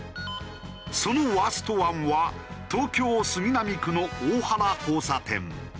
そのワースト１は東京杉並区の大原交差点。